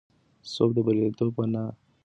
سوب د بریالیتوب په مانا کارول کېږي.